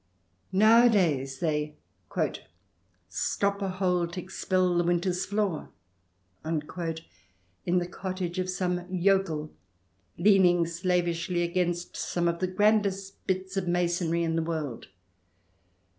Now adays, they " stop a hole, t'expel the winter's flaw " in the cottage of some yokel, leaning slavishly against some of the grandest bits of masonry in the world.